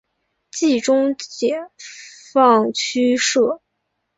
冀中解放区设。